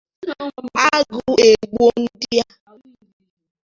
Agụụ egbuo ndị a